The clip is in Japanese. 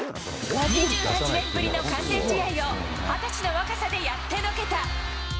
２８年ぶりの完全試合を、２０歳の若さでやってのけた。